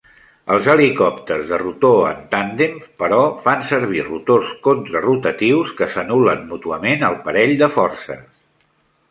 Els helicòpters de rotor en tàndem, però, fan servir rotors contrarotatius que s'anul·len mútuament el parell de forces.